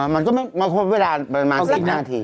มันก็ไม่ควรเวลาประมาณสิบนาที